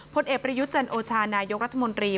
พลเอกปริยุจันทร์โอชานายกรัฐมนตรี